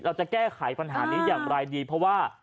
เราจะแก้ไขปัญหานี้อย่างไรดีเพราะว่า